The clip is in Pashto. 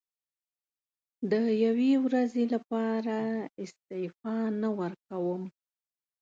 د یوې ورځې لپاره استعفا نه ورکووم.